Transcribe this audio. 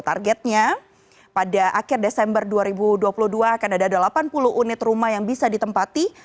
targetnya pada akhir desember dua ribu dua puluh dua akan ada delapan puluh unit rumah yang bisa ditempati